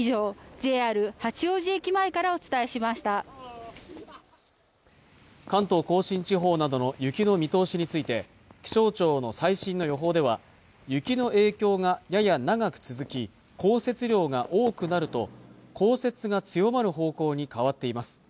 ＪＲ八王子駅前からお伝えしました関東甲信地方などの雪の見通しについて気象庁の最新の予報では雪の影響がやや長く続き降雪量が多くなると降雪が強まる方向に変わっています